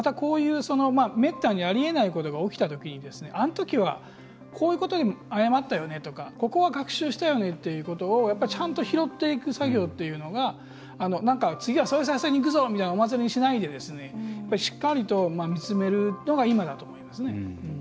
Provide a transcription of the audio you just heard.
めったにありえないことが起きたときにあのときは、こういうことを誤ったよねとかここは学習したよねということをちゃんと拾っていく作業というのが次は総裁選にいくぞみたいなお祭りにしないでしっかりと見つめるのが今だと思いますね。